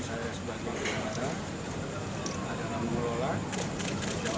saya sumpuh dengan adalaman keuangan itu misalnya